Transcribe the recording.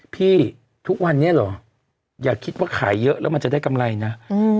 ทุกวันนี้เหรออย่าคิดว่าขายเยอะแล้วมันจะได้กำไรนะ